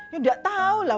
yuk nggak tahu lah